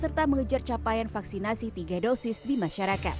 serta mengejar capaian vaksinasi tiga dosis di masyarakat